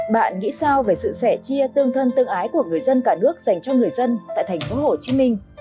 bạn nghĩ sao về sự sẻ chia tương thân tương ái của người dân cả nước dành cho người dân tại thành phố hồ chí minh